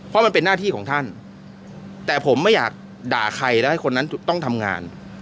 เพราะมันเป็นหน้าที่ของท่านแต่ผมไม่อยากด่าใครแล้วให้คนนั้นต้องทำงาน